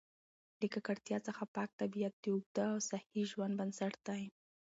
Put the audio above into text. له ککړتیا څخه پاک طبیعت د اوږده او صحي ژوند بنسټ دی.